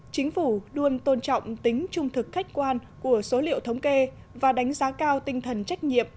chính phủ luôn tôn trọng tính trung thực khách quan của số liệu thống kê và đánh giá cao tinh thần trách nhiệm